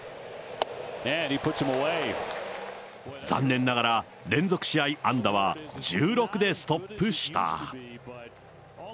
残念ながら連続試合安打は１６でストップした。